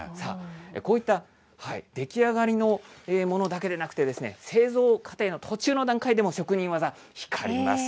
こういった出来上がりのものだけではなくて、製造過程の途中の段階でも職人技、光ります。